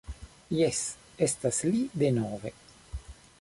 Jes, estas li denove